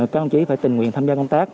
các ông chí phải tình nguyện tham gia công tác